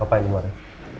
apa yang dimarahin